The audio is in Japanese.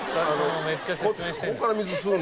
めっちゃ説明してる。